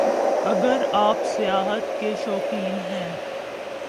اگر آپ سیاحت کے شوقین ہیں